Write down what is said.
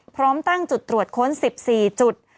พร้อมตั้งจุดตรวจค้น๑๔จุด